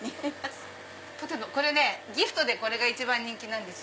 ギフトでこれが一番人気なんです。